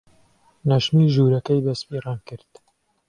نەشمیل ژوورەکەی بە سپی ڕەنگ کرد.